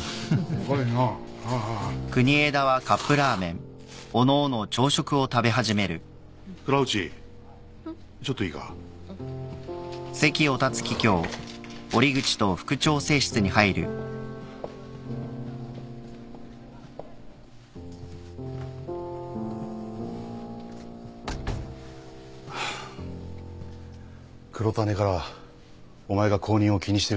黒種からお前が後任を気にしてるって聞いたぞ。